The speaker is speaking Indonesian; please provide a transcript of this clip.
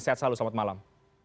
sehat selalu selamat malam